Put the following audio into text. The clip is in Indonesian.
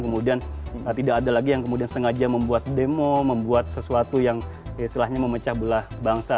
kemudian tidak ada lagi yang kemudian sengaja membuat demo membuat sesuatu yang istilahnya memecah belah bangsa